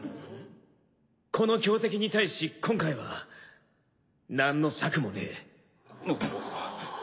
この強敵に対し今回は何の策もねえ。